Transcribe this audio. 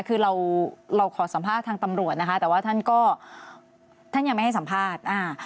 คือเราเราขอสัมภาษณ์ทางตำรวจนะคะแต่ว่าท่านก็ท่านยังไม่ให้สัมภาษณ์อ่า